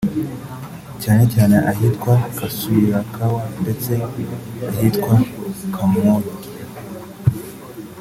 cyane cyane ahitwa “Kasubi-Kawaala” ndetse n’ahitwa “Kamwokya”